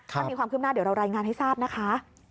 ถ้ามีความคืบหน้าเดี๋ยวเรารายงานให้ทราบนะคะ